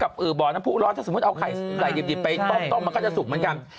บ่อน้ำผู้ร้อนถ้าสมมุติเอาใครใส่ดิบไปต้มมันก็จะสุกเหมือนกัน